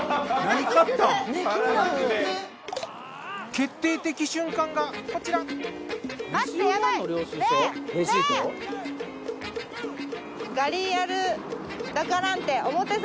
決定的瞬間がこちら。ねぇ！ねぇ！